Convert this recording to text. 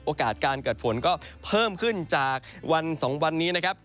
โอกาสการเกิดฝนก็เพิ่มขึ้นจากวัน๒วันนี้นะครับ